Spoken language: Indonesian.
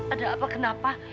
ada apa kenapa